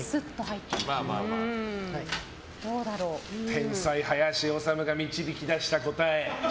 天才、林修が導き出した答え。